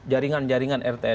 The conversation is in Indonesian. jaringan jaringan rte dan roe